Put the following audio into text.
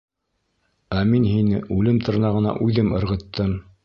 — Ә мин һине үлем тырнағына үҙем ырғыттым.